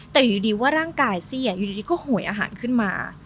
แต่อยู่ดีว่าร่างกายซี่อยู่ดีก็หวยอาหารขึ้นมา